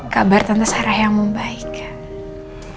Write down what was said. kabar tante sarah yang membaikan